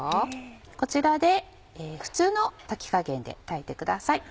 こちらで普通の炊き加減で炊いてください。